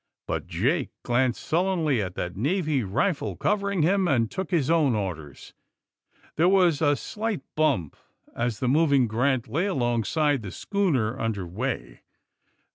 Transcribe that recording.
But Jake glanced sullenly at that Navy rifle covering him, and took his own orders. There was a slight bump as the moving '^ Grant" lay alongside the schooner under way.